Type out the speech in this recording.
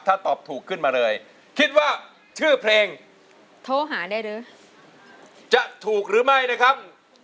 ถ้าตอบถูกขึ้นมาเลยคิดว่าชื่อเพลงโทรหาได้หรือจะถูกหรือไม่นะครับ